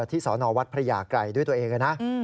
สอนอวัดพระยาไกรด้วยตัวเองนะ